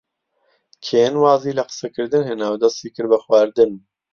کێن وازی لە قسەکردن هێنا و دەستی کرد بە خواردن.